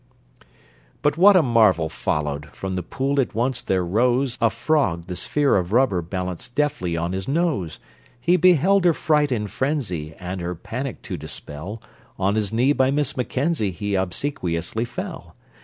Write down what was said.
But what a marvel followed! From the pool at once there rose A frog, the sphere of rubber balanced deftly on his nose. He beheld her fright and frenzy, And, her panic to dispel, On his knee by Miss Mackenzie He obsequiously fell.